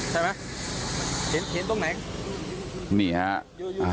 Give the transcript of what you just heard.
แกเห็นตรงไหนเนี่ยใช่ไหมเห็นตรงไหน